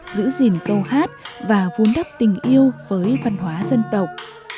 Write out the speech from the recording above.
giữ gìn câu hát và vun đắp tình yêu với văn hóa dân tộc